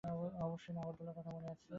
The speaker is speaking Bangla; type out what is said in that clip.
অবশ্যই, নাগরদোলার কথা মনে আছে।